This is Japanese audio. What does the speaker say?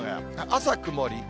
朝、曇り。